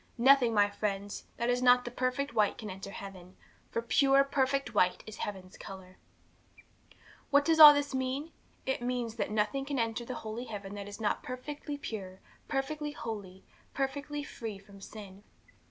'Nothing, my friends, that is not perfect white can enter heaven, for pure, perfect white is heaven's colour. 'What does all this mean? It means that nothing can enter that holy heaven that is not perfectly pure, perfectly holy, perfectly free from sin.